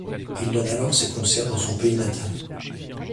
Il donne alors des concerts dans son pays natal.